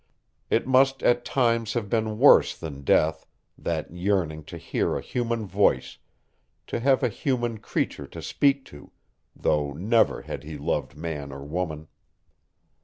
It must at times have been worse than death that yearning to hear a human voice, to have a human creature to speak to, though never had he loved man or woman.